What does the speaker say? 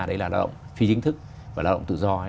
đấy là lao động phi chính thức và lao động tự do